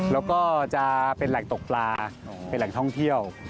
แล้วก็จะเป็นแหล่งตกปลาเป็นแหล่งท่องเที่ยว